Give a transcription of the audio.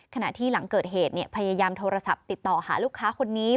ขณะที่หลังเกิดเหตุพยายามโทรศัพท์ติดต่อหาลูกค้าคนนี้